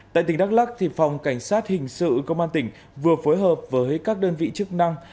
tại tỉnh đắk lắc phòng cảnh sát hình sự công an tỉnh vừa phối hợp với các đơn vị chức năng